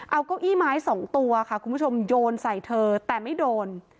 เอาเก้าอี้ไม้สองตัวค่ะคุณผู้ชมโยนใส่เธอแต่ไม่โดน